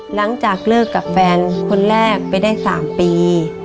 หลังจากเลิกกับแฟนคนแรกไปได้๓ปี